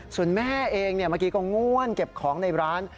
ส่วนแม่เองเมื่อกี้ก็ง่วนเก็บของในร้าน